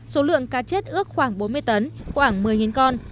số lượng cá chết ước khoảng bốn mươi tấn khoảng một mươi con